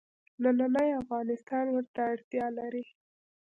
نننی افغانستان ورته اړتیا لري.